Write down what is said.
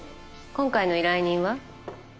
今回の依頼人は？